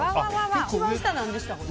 一番下、何でしたっけ？